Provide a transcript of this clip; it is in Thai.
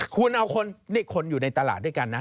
คุณเอาคนอยู่ในตลาดด้วยกันนะ